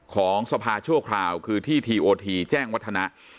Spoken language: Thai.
ของสภาชั่วคราวคือที่ทีโอทีแจ้งวัฒนะ